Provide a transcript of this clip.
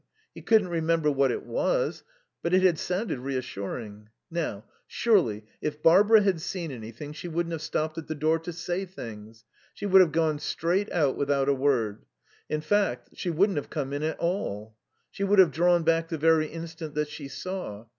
He couldn't remember what it was, but it had sounded reassuring. Now, surely if Barbara had seen anything she wouldn't have stopped at the door to say things. She would have gone straight out without a word. In fact, she wouldn't have come in at all. She would have drawn back the very instant that she saw.